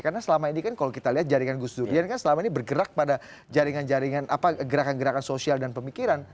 karena selama ini kan kalau kita lihat jaringan gus dur selama ini bergerak pada jaringan jaringan gerakan gerakan sosial dan pemikiran